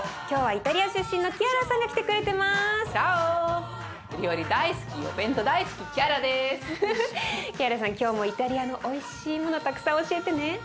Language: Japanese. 今日もイタリアのおいしいものたくさん教えてね。